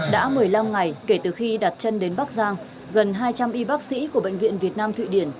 đã một mươi năm ngày kể từ khi đặt chân đến bắc giang gần hai trăm linh y bác sĩ của bệnh viện việt nam thụy điển